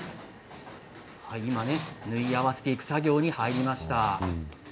今、縫い合わせていく作業に入りました。